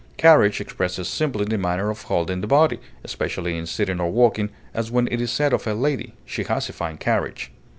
Carriage expresses simply the manner of holding the body, especially in sitting or walking, as when it is said of a lady "she has a fine carriage."